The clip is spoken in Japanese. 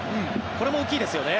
これも大きいですよね。